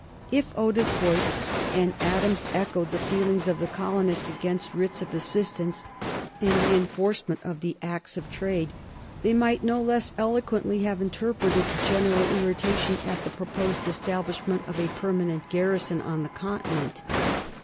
[Sidenote: 1765 Taxation without representation] If Otis voiced and Adams echoed the feelings of the colonists against Writs of Assistance and the enforcement of the Acts of Trade, they might no less eloquently have interpreted the general irritation at the proposed establishment of a permanent garrison on the continent.